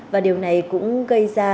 và điều này cũng gây ra